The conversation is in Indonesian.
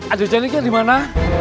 aduh jadi kayak di mana